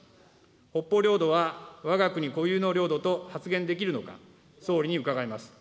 北方領土は、わが国固有の領土と発言できるのか、総理に伺います。